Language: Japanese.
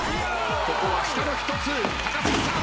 ここは下の１つ高杉さん。